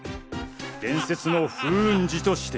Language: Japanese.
伝説の風雲児として。